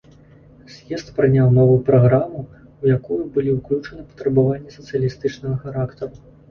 З'езд прыняў новую праграму, у якую былі ўключаны патрабаванні сацыялістычнага характару.